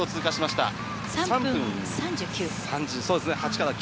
３分３９。